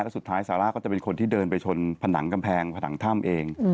แล้วสุดท้ายซาร่าก็จะเป็นคนที่เดินไปชนผนังกำแพงผนังถ้ำเอง